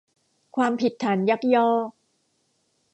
ความผิดฐานยักยอก